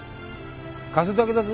貸すだけだぞ。